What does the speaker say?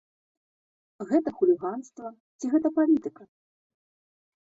Гэта хуліганства ці гэта палітыка?